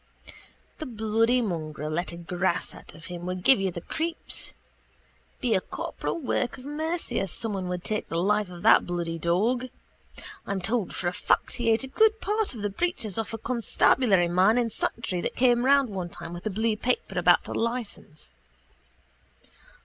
The bloody mongrel let a grouse out of him would give you the creeps. Be a corporal work of mercy if someone would take the life of that bloody dog. I'm told for a fact he ate a good part of the breeches off a constabulary man in Santry that came round one time with a blue paper about a licence.